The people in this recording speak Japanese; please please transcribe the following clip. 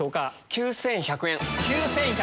９１００円。